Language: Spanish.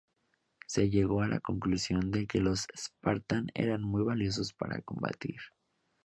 Se llegó a la conclusión de que los spartan eran muy valiosos para combatir.